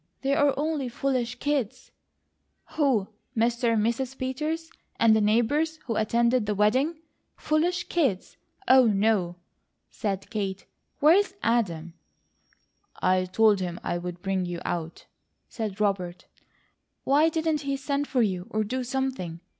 They're only foolish kids!" "Who? Mr. and Mrs. Peters, and the neighbours, who attended the wedding! Foolish kids? Oh, no!" said Kate. "Where's Adam?" "I told him I'd bring you out," said Robert. "Why didn't he send for you, or do something?"